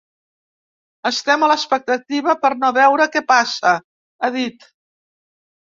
Estem a l'expectativa per no veure què passa, ha dit.